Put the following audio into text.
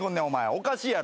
おかしいやろ。